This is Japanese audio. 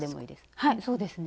はいそうですね。